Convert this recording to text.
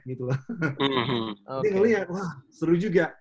jadi ngeliat wah seru juga